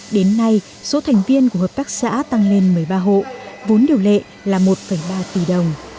đến nay số thành viên của hợp tác xã tăng lên một mươi ba hộ vốn điều lệ là một ba tỷ đồng